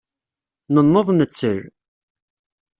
Nenneḍ nettel.